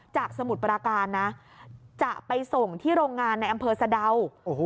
สมุทรปราการนะจะไปส่งที่โรงงานในอำเภอสะดาว